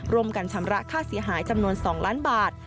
ร่วมกันชำระค่าเสียหายจำนวน๒ล้านบาท